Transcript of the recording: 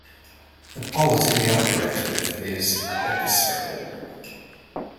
The polity they operate with is episcopal.